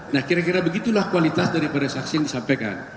nah kira kira begitulah kualitas daripada saksi yang disampaikan